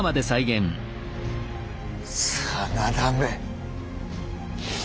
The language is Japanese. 真田め。